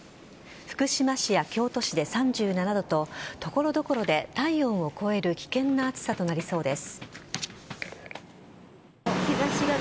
福島市や京都市で３７度と所々で体温を超える危険な暑さとなりそうです。